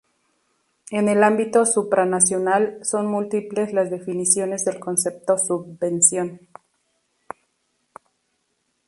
En el ámbito supranacional, son múltiples las definiciones del concepto subvención.